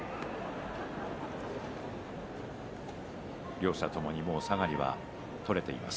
両者ともにさがりが取れています。